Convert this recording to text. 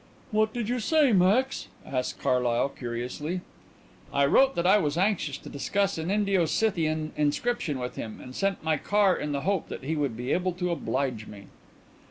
"What did you say, Max?" asked Carlyle curiously. "I wrote that I was anxious to discuss an Indo Scythian inscription with him, and sent my car in the hope that he would be able to oblige me."